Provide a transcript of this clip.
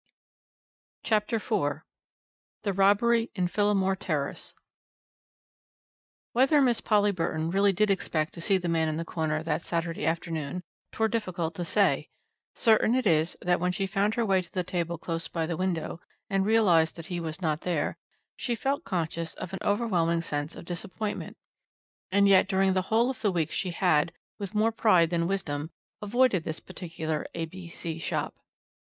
CHAPTER IV THE ROBBERY IN PHILLIMORE TERRACE Whether Miss Polly Burton really did expect to see the man in the corner that Saturday afternoon, 'twere difficult to say; certain it is that when she found her way to the table close by the window and realized that he was not there, she felt conscious of an overwhelming sense of disappointment. And yet during the whole of the week she had, with more pride than wisdom, avoided this particular A.B.C. shop.